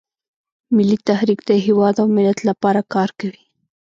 ملي تحریک د هیواد او ملت لپاره کار کوي